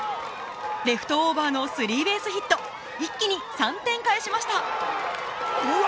レフトオーバーのスリーベースヒット一気に３点返しましたうわ